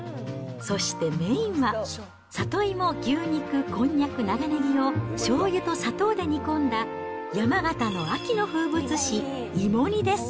そしてメインは、里芋、牛肉、こんにゃく、長ネギを、しょうゆと砂糖で煮込んだ山形の秋の風物詩、芋煮です。